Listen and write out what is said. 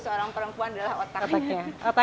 seorang perempuan adalah otaknya